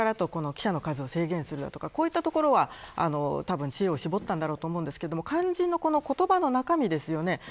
それから記者の数を制限するとかこういったところはたぶん知恵を絞ったんだろうなと思いますが、肝心の言葉の中身ですよね。